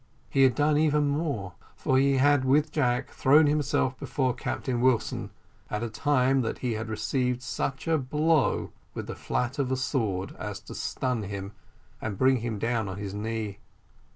He had done even more, for he had with Jack thrown himself before Captain Wilson, at a time that he had received such a blow with the flat of a sword as to stun him and bring him down on his knee.